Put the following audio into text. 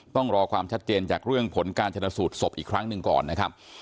ต้องรอความชัดเจนจากเรื่องผลการชนะสูตรศพอีกครั้งหนึ่งก่อนนะครับ